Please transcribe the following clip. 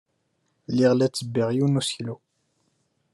Lliɣ la ttebbiɣ yiwen n useklu.